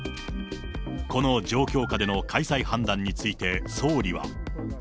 この状況下での開催判断について、総理は。